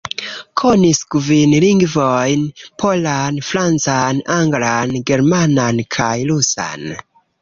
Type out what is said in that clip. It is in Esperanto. Konis kvin lingvojn: polan, francan, anglan, germanan kaj rusan.